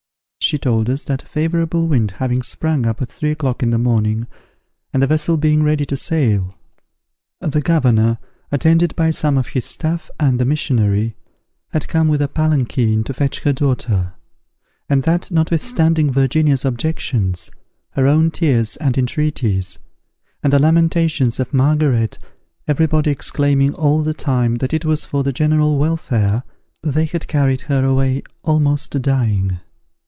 She told us that a favourable wind having sprung up at three o'clock in the morning, and the vessel being ready to sail, the governor, attended by some of his staff and the missionary, had come with a palanquin to fetch her daughter; and that, notwithstanding Virginia's objections, her own tears and entreaties, and the lamentations of Margaret, every body exclaiming all the time that it was for the general welfare, they had carried her away almost dying.